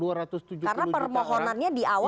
dua ratus tujuh puluh tujuh orang karena permohonannya di awal